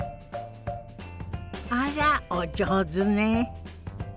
あらお上手ね。